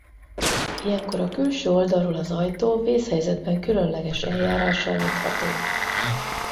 Ilyenkor a külső oldalról az ajtó vészhelyzetben különleges eljárással nyitható.